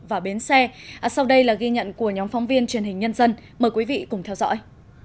và bến xe sau đây là ghi nhận của nhóm phóng viên truyền hình nhân dân mời quý vị cùng theo dõi